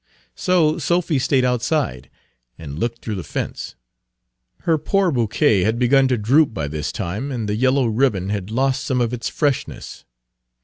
So Sophy stayed outside, and looked through the fence. Her poor bouquet had begun to droop by this time, and the yellow ribbon had lost some of its freshness.